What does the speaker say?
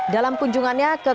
dalam kunjungannya kekeluargaan